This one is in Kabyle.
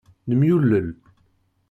Nemyulel.